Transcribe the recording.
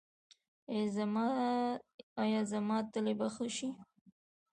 ایا زما تلي به ښه شي؟